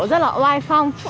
rất là oai phong